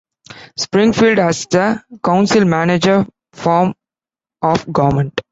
Springfield has a council-manager form of government.